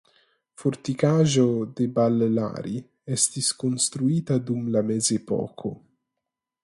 Fortikaĵo de Ballari estis konstruita dum la mezepoko.